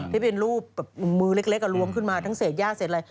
ที่เป็นรูปแบบมือเล็กล้วงขึ้นมาทั้งเศษย่าเศษอะไร